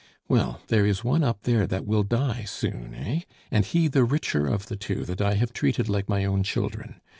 Well, there is one up there that will die soon, eh? and he the richer of the two that I have treated like my own children.